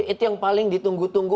itu yang paling ditunggu tunggu